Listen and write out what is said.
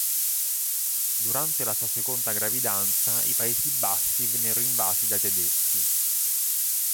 Durante la sua seconda gravidanza, i Paesi Bassi vennero invasi dai tedeschi.